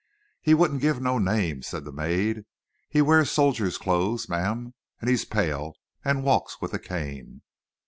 "He wouldn't give no name," said the maid. "He wears soldier clothes, ma'am, and he's pale, and walks with a cane."